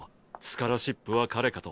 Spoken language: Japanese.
スカラシップは彼かと。